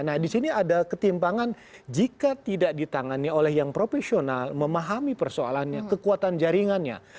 nah di sini ada ketimpangan jika tidak ditangani oleh yang profesional memahami persoalannya kekuatan jaringannya